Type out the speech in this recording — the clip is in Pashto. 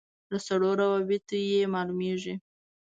له سړو رابطو یې معلومېږي.